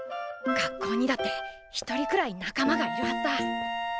学校にだって一人くらい仲間がいるはずだ。